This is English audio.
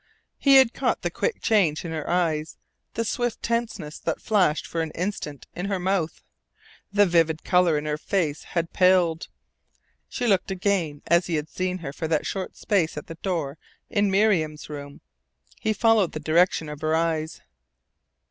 He had caught the quick change in her eyes, the swift tenseness that flashed for an instant in her mouth. The vivid colour in her face had paled. She looked again as he had seen her for that short space at the door in Miriam's room. He followed the direction of her eyes.